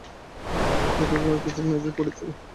ঐ ছাতুর গুঁড়া কিছু মেঝেয় পড়িয়াছিল।